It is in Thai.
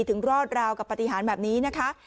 ถึงรอดราวกับปฏิหารแบบนี้นะคะ